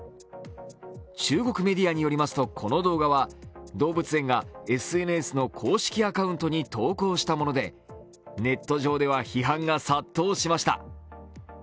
中国メディアによりますと、この動画は動物園がＳＮＳの公式アカウントに投稿したものでネット上では批判が殺到しました。